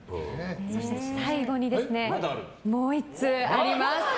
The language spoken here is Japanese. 最後にもう１通あります。